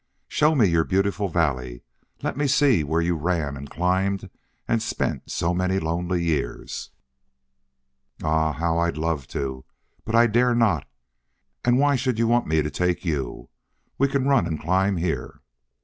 Show me your beautiful valley. Let me see where you ran and climbed and spent so many lonely years." "Ah, how I'd love to! But I dare not. And why should you want me to take you? We can run and climb here."